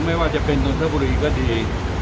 ไม่ว่าจะเป็นนนทบุรีก็ดี